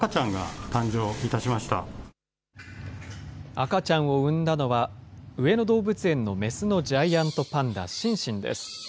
赤ちゃんを産んだのは、上野動物園の雌のジャイアントパンダ、シンシンです。